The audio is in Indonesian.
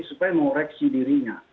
supaya mengoreksi dirinya